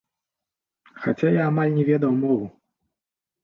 Хаця я амаль не ведаў мову.